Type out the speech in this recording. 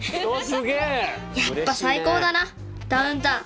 やっぱサイコーだなダウンタウン。